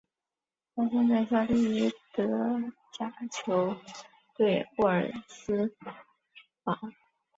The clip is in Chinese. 他现在效力于德甲球队沃尔夫斯堡。